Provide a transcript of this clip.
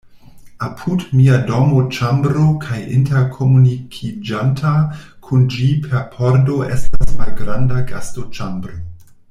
Apud mia dormoĉambro kaj interkomunikiĝanta kun ĝi per pordo estas malgranda gastoĉambro.